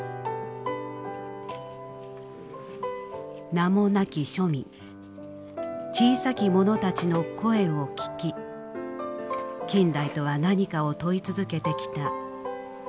名もなき庶民小さきものたちの声を聞き近代とは何かを問い続けてきた渡辺京二さん。